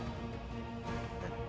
akan menjadi istriku